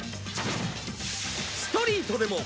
ストリートでも